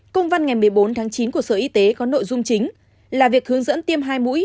công văn ngày một mươi bốn tháng chín của sở y tế có nội dung chính là việc hướng dẫn tiêm hai mũi